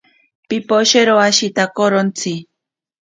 Piposhero ashitakorontsi.